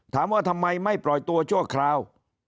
ถามว่าทำไมไม่ปล่อยตัวชั่วคราว